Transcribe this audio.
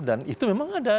dan itu memang ada